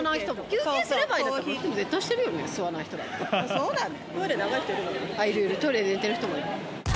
そうだね。